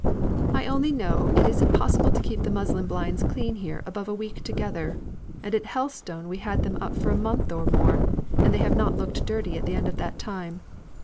"I only know it is impossible to keep the muslin blinds clean here above a week together; and at Helstone we have had them up for a month or more, and they have not looked dirty at the end of that time.